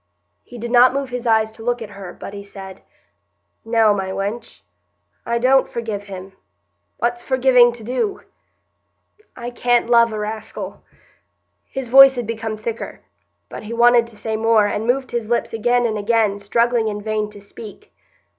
He did not move his eyes to look at her, but he said,— "No, my wench. I don't forgive him. What's forgiving to do? I can't love a raskill——" His voice had become thicker; but he wanted to say more, and moved his lips again and again, struggling in vain to speak.